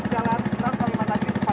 saat ini kalau kita melihat banjir berendam